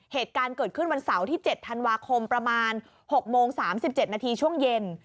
เหตุการณ์เกิดขึ้นวันเสาร์ที่๗ธันวาคมประมาณ๖โมง๓๗นาทีช่วงเย็น